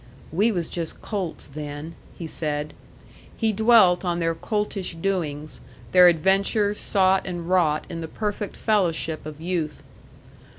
"We was just colts then," he said. He dwelt on their coltish doings, their adventures sought and wrought in the perfect fellowship of youth.